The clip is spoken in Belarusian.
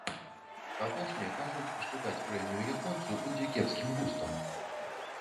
Апошнія кажуць, што даць прэмію японцу будзе кепскім густам.